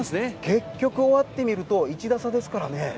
結局、終わってみると１打差ですからね。